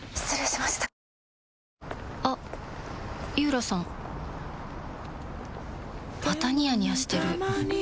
またニヤニヤしてるふふ。